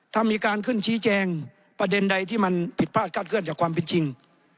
ถ้ามีการขึ้นชี้แจงประเด็นใดที่มันผิดพลาดคาดเคลื่อนจากความเป็นจริง